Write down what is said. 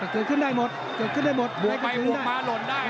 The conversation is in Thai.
เกิดขึ้นได้หมดเกิดขึ้นได้หมด